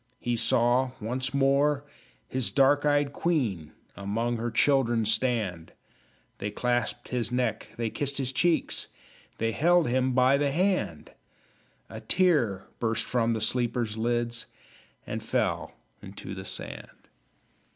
He saw once more his dark eyed queen Among her children stand; They clasped his neck, they kissed his cheeks, They held him by the hand! A tear burst from the sleeper's lids And fell into the sand.